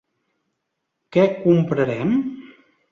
Què comprarem?